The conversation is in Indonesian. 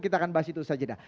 kita akan bahas itu saja dah